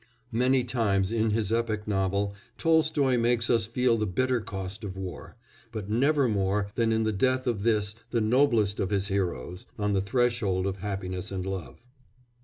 Many times in his epic novel Tolstoy makes us feel the bitter cost of war, but never more than in the death of this, the noblest of his heroes, on the threshold of happiness and love.